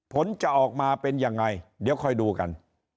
ผลจะออกมาเป็นยังไงเดี๋ยวค่อยดูกัน